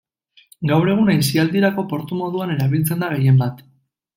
Gaur egun, aisialdirako portu moduan erabiltzen da gehienbat.